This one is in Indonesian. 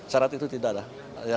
syarat itu tidak ada